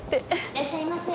いらっしゃいませ。